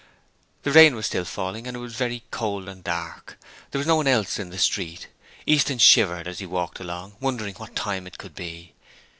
The rain was still falling and it was very cold and dark. There was no one else in the street. Easton shivered as he walked along wondering what time it could be.